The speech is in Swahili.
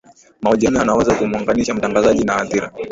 mahojiano yanaweza kumuunganisha mtangazaji na hadhira